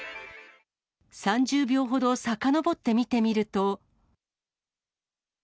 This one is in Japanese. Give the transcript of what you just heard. ３０秒ほどさかのぼって見てみると。